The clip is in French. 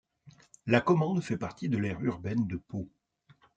Lacommande fait partie de l'aire urbaine de Pau.